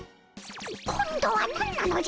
今度は何なのじゃ！